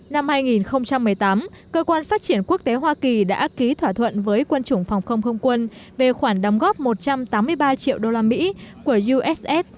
năm hai nghìn một mươi tám cơ quan phát triển quốc tế hoa kỳ đã ký thỏa thuận với quân chủng phòng không không quân về khoản đóng góp một trăm tám mươi ba triệu usd của uss